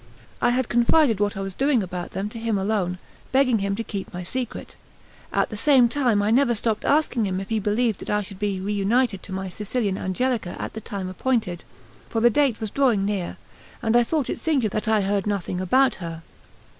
I had confided what I was doing about them to him alone, begging him to keep my secret. At the same time I never stopped asking him if he believed that I should be reunited to my Sicilian Angelica at the time appointed; for the date was drawing near, and I thought it singular that I heard nothing about her.